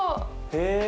へえ。